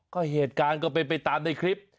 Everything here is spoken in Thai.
ก็เหตุการณ์ก็เป็นไปตามในคลิป